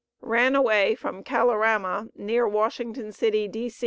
Ran away from Kalorama, near Washington City, D.